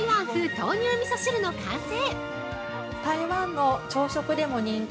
豆乳みそ汁の完成！